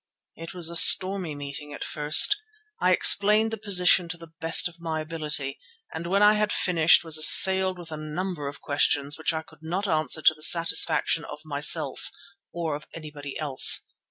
It was a stormy meeting at first. I explained the position to the best of my ability, and when I had finished was assailed with a number of questions which I could not answer to the satisfaction of myself or of anybody else.